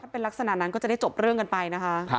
เป็นลักษณะนั้นก็จะได้จบเรื่องกันไปนะคะ